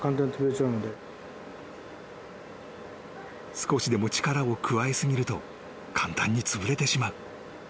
［少しでも力を加え過ぎると簡単につぶれてしまう］